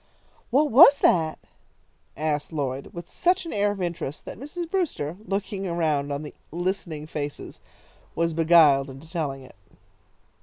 "What was that?" asked Lloyd, with such an air of interest, that Mrs. Brewster, looking around on the listening faces, was beguiled into telling it.